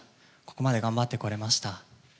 ここまで頑張ってこれました。